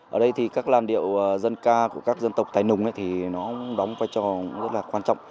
ở đây thì các làm điệu dân ca của các dân tộc tài lùng thì nó đóng quan trọng rất là quan trọng